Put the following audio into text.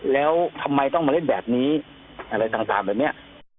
แล้วทำไมต้องมาเล่นแบบนี้อะไรต่างแบบนี้